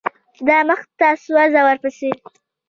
دا مخته سوه زه ورپسې.